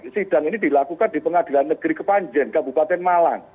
sidang ini dilakukan di pengadilan negeri kepanjen kabupaten malang